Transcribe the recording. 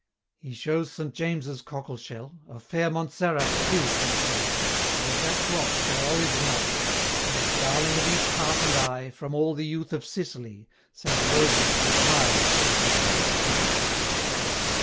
He shows Saint James's cockle shell, Of fair Montserrat, too, can tell; And of that Grot where Olives nod, Where, darling of each heart and eye, 405 From all the youth of Sicily, Saint Rosalie retired to God.